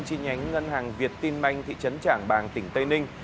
chi nhánh ngân hàng việt tin manh thị trấn trảng bàng tỉnh tây ninh